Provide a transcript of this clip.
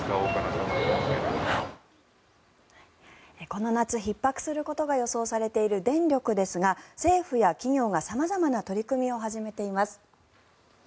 この夏、ひっ迫することが予想されている電力ですが政府や企業が様々な取り組みを始めています。